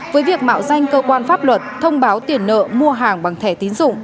với việc mạo danh cơ quan pháp luật thông báo tiền nợ mua hàng bằng thẻ tín dụng